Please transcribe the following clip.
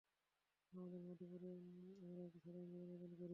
আমাদের মধুপুরে, আমরা একটি সাধারণ জীবনযাপন করি।